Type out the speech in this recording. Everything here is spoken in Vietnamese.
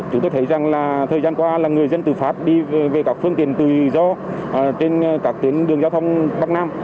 chúng tôi thấy rằng là thời gian qua là người dân từ pháp đi về các phương tiện tự do trên các tuyến đường giao thông bắc nam